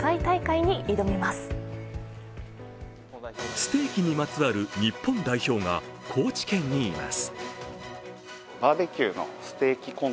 ステーキにまつわる日本代表が高知県にいます。